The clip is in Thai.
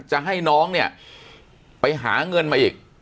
จะให้น้องเนี่ยไปหาเงินมาอีก